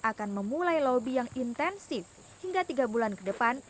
akan memulai lobby yang intensif hingga tiga bulan ke depan